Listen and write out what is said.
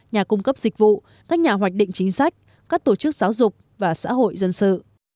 nhà cung cấp dịch vụ các nhà hoạch định chính sách các tổ chức giáo dục và xã hội dân sự